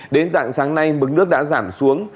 đến dạng sáng nay mực nước đã giảm xuống